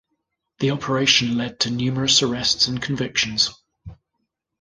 The operation led to numerous arrests and convictions.